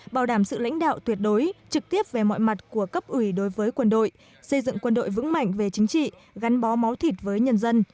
bảo đảm sự lãnh đạo tuyệt đối trực tiếp về mọi mặt của cấp ủy đối với quân đội xây dựng quân đội vững mạnh về chính trị gắn bó máu thịt với nhân dân